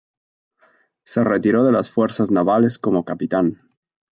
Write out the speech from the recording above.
Se retiró de las Fuerzas Navales como Capitán.